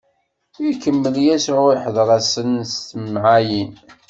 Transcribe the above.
Ikemmel Yasuɛ ihdeṛ-asen s temɛayin.